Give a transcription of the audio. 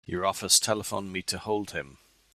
Your office telephoned me to hold him.